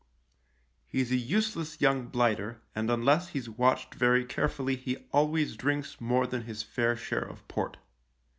He's a useless young blighter, and unless he's watched very carefully he always drinks more than his fair share of port.